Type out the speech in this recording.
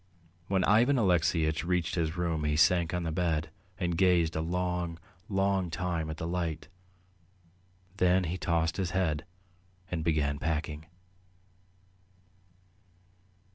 When Ivan Alexeyitch reached his room he sank on the bed and gazed a long, long time at the light. Then he tossed his head and began packing.